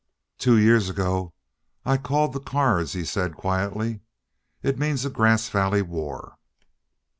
"Two years ago I called the cards," he said, quietly. "It means a Grass Valley war."